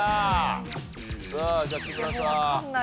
さあじゃあ木村さん。